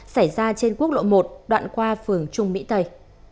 xảy ra trên quốc lộ một đoạn qua phường trung mỹ tây